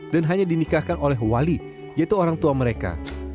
hanya dinikahkan oleh wali yaitu orang tua mereka